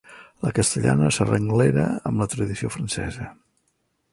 La castellana s'arrenglera amb la tradició francesa.